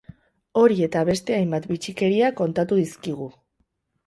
Hori eta beste hainbat bitxikeria kontatu dizkigu.